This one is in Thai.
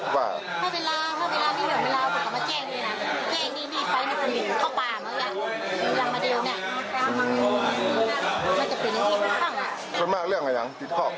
พวกนี้ฟังคร้วงและร้านยัง